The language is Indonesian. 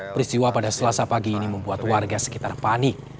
peristiwa pada selasa pagi ini membuat warga sekitar panik